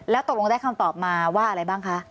แล้วตกลงได้คำตอบมาว่าอะไรบ้างคะ